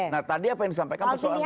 nah tadi apa yang disampaikan persoalan